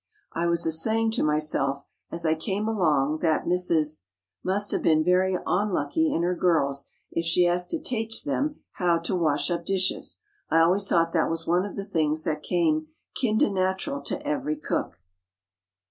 "I was a saying to myself, as I came along, that Mrs. —— must have been very onlucky in her girls if she had to tache them how to wash up dishes. I always thought that was one of the things that came kinder nat'ral to every cook."